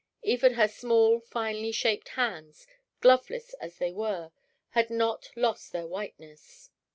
Even her small, finely shaped hands, gloveless as they were, had not lost their whiteness.